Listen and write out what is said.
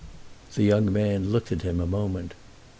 The young man looked at him a moment.